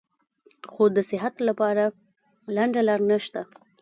خو د صحت له پاره لنډه لار نشته -